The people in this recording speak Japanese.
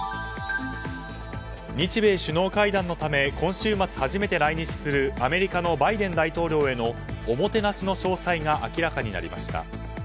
日米首脳会談のため今週末、初めて来日するアメリカのバイデン大統領へのおもてなしの詳細が明らかになりました。